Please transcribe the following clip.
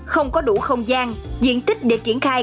không có đủ không gian diện tích để triển khai